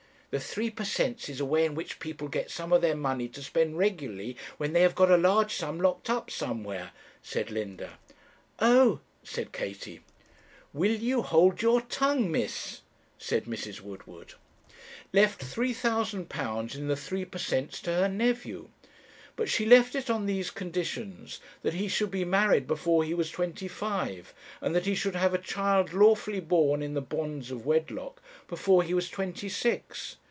'The three per cents is a way in which people get some of their money to spend regularly, when they have got a large sum locked up somewhere,' said Linda. 'Oh!' said Katie. 'Will you hold your tongue, miss?' said Mrs. Woodward. "Left £3,000 in the three per cents to her nephew. But she left it on these conditions, that he should be married before he was twenty five, and that he should have a child lawfully born in the bonds of wedlock before he was twenty six.